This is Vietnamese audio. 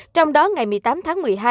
trong đó ngày một mươi tám tháng một mươi hai